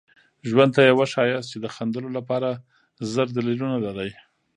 ژوند ته یې وښایاست چې د خندلو لپاره زر دلیلونه لرئ.